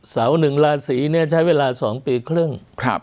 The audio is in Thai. เสาหนึ่งราศีเนี่ยใช้เวลา๒ปีครึ่ง